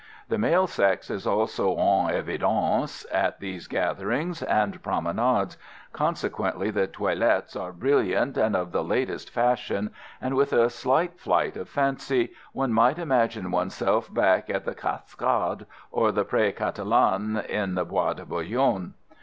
The male sex is also en evidence at these gatherings and promenades; consequently the toilettes are brilliant and of the latest fashion, and, with a slight flight of fancy, one might imagine oneself back at the Cascade or the Pré Catalan in the Bois de Boulogne.